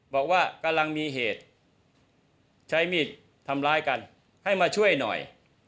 บอกว่ากำลังมีเหตุใช้มีดทำร้ายกันให้มาช่วยหน่อย